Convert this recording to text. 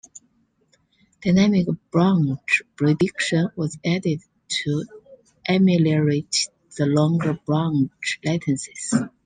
Dynamic branch prediction was added to ameliorate the longer branch latencies.